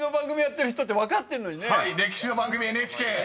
［歴史の番組ＮＨＫ］